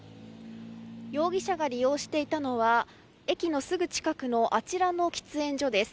容疑者が利用していたのは駅のすぐ近くのあちらの喫煙所です。